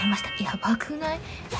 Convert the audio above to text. やばくない？